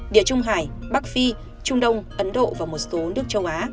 địa trung hải bắc phi trung đông ấn độ và một số nước